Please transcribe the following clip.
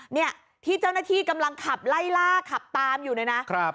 เนี่ยที่เจ้าหน้าที่กำลังขับไล่ล่าขับตามอยู่เลยนะ